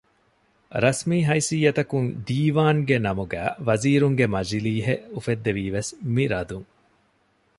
ރަސްމީ ހައިސިއްޔަތަކުން ދީވާންގެ ނަމުގައި ވަޒީރުންގެ މަޖިލީހެއް އުފެއްދެވީވެސް މި ރަދުން